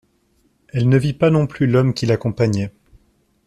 Elle ne vit pas non plus l’homme qui l’accompagnait